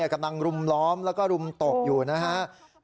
กำลังรุมล้อมแล้วก็รุมตบอยู่นะครับ